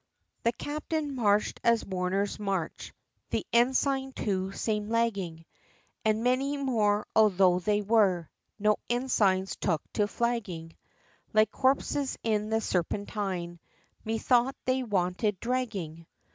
IX. The captain march'd as mourners march, The ensign too seem'd lagging, And many more, although they were No ensigns, took to flagging Like corpses in the Serpentine, Methought they wanted dragging.